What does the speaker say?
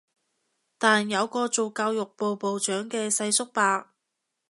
但有個做教育部部長嘅世叔伯